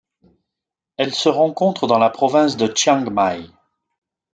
Elle se rencontre dans la province de Chiang Mai.